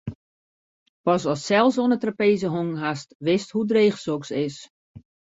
Pas ast sels oan 'e trapeze hongen hast, witst hoe dreech soks is.